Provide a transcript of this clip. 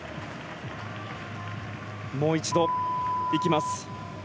もう一度いきます。